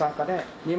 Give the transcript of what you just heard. ２万？